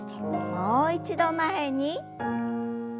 もう一度前に。